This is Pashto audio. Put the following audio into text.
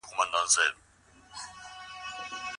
تحلیل باید په هره سطحه کې وشي.